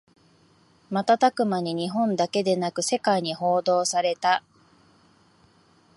瞬く間に日本だけでなく世界に報道された